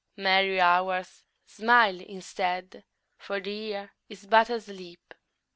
Merry Hours, smile instead, For the Year is but asleep.